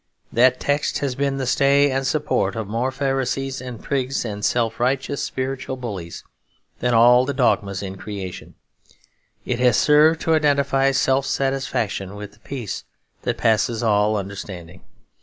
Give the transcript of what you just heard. That text has been the stay and support of more Pharisees and prigs and self righteous spiritual bullies than all the dogmas in creation; it has served to identify self satisfaction with the peace that passes all understanding.